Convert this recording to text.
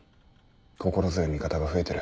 心強い味方が増えてる。